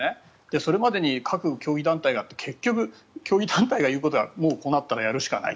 それまでに各競技団体が結局、競技団体が言うことはこうなったらやるしかない。